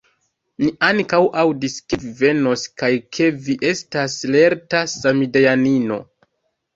Ni ankaŭ aŭdis, ke vi venos, kaj ke vi estas lerta samideanino.